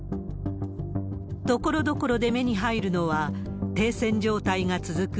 ところどころで目に入るのは、停戦状態が続く